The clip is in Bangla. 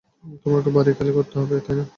তোমাকে বাড়ি খালি করতে হবে, তাই না?